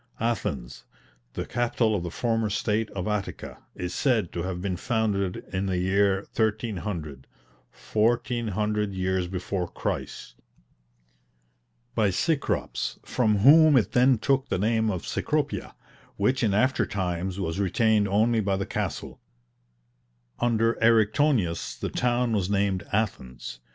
Athens, the capital of the former State of Attica, is said to have been founded in the year 1300, fourteen hundred years before Christ, by Cecrops, from whom it then took the name of Cecropia, which in after times was retained only by the castle: under Eriktonius the town was named "Athens."